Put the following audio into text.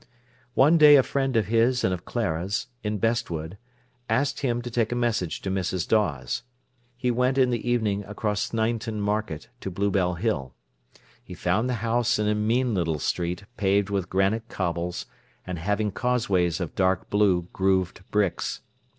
One day a friend of his and of Clara's, in Bestwood, asked him to take a message to Mrs. Dawes. He went in the evening across Sneinton Market to Bluebell Hill. He found the house in a mean little street paved with granite cobbles and having causeways of dark blue, grooved bricks.